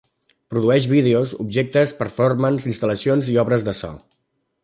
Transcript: Produeix vídeos, objectes, performances, instal·lacions i obres de so.